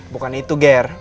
bukan itu ger